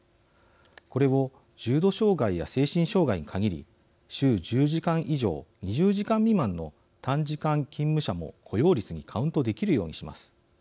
これを重度障害や精神障害に限り週１０時間以上２０時間未満の短時間勤務者も雇用率にカウントできるようにします。